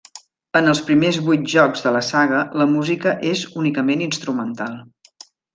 En els primers vuit jocs de la saga, la música és únicament instrumental.